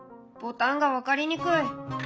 「ボタンが分かりにくい！」。